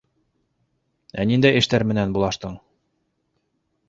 Ә ниндәй эштәр менән булаштың?